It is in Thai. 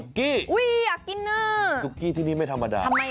อุ๊ยอยากกินน่ะทำไมคะซุกิที่นี่ไม่ธรรมดา